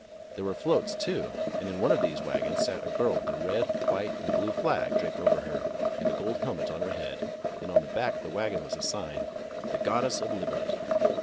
There were floats, too, and in one of these wagons sat a girl with a red, white, and blue flag draped over her and a gold helmet on her head, and on the back of the wagon was a sign, "The Goddess of Liberty."